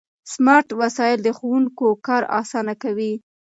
سمارټ وسایل د ښوونکو کار اسانه کوي.